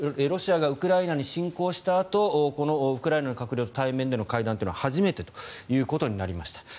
ロシアがウクライナに侵攻したあとこのウクライナの閣僚と対面での会談は初めてということになりました。